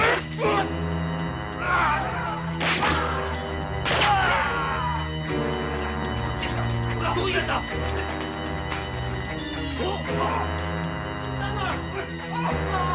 あっ！